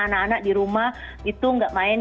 anak anak di rumah itu nggak main